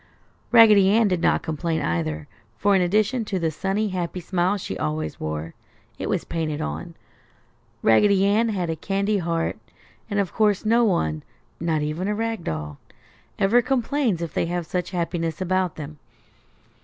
Raggedy Ann did not complain either, for in addition to the sunny, happy smile she always wore (it was painted on), Raggedy Ann had a candy heart, and of course no one (not even a rag doll) ever complains if they have such happiness about them.